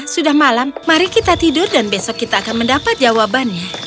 sudah malam mari kita tidur dan besok kita akan mendapat jawabannya